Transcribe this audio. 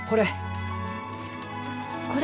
これ。